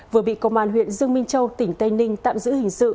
vừa bị công an huyện dương minh châu tỉnh tây ninh tạm giữ hình sự